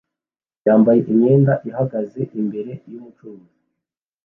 yambaye imyenda ihagaze imbere yumucuruzi